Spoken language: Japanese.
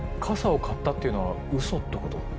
傘を買ったっていうのはウソってこと？